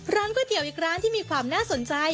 ก๋วยเตี๋ยวอีกร้านที่มีความน่าสนใจ